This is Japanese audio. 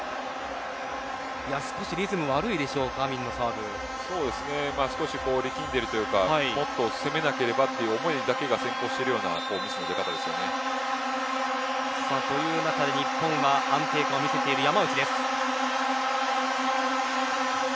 少しリズム悪いでしょうか少し力んでいるというかもっと攻めなければという思いだけが先行しているようなという中で、日本は安定感を見せている、山内です。